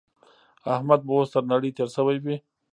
احمد به اوس تر نړۍ تېری شوی وي.